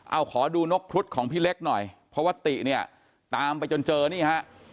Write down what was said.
เอาขอดูนกครุฑของพี่เล็กหน่อยเพราะว่าติเนี่ยตามไปจนเจอนี่ฮะ